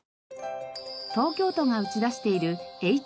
東京都が打ち出しているＨＴＴ。